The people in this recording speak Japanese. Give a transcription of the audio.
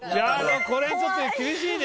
これちょっと厳しいね。